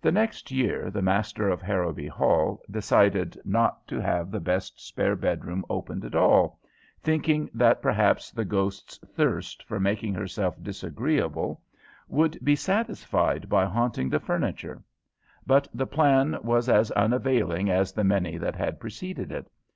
The next year the master of Harrowby Hall decided not to have the best spare bedroom opened at all, thinking that perhaps the ghost's thirst for making herself disagreeable would be satisfied by haunting the furniture, but the plan was as unavailing as the many that had preceded it.